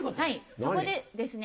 そこでですね